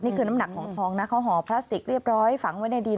น้ำหนักของทองนะเขาห่อพลาสติกเรียบร้อยฝังไว้ในดิน